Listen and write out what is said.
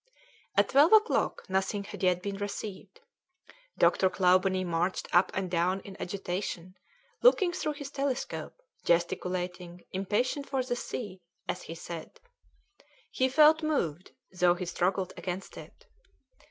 At twelve o'clock nothing had yet been received. Dr. Clawbonny marched up and down in agitation, looking through his telescope, gesticulating, impatient for the sea, as he said. He felt moved, though he struggled against it.